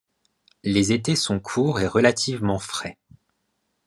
Les étés sont courts et relativement frais.